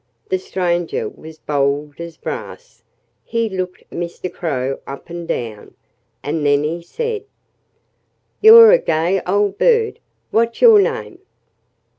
The stranger was bold as brass. He looked Mr. Crow up and down. And then he said: "You're a gay old bird! What's your name?"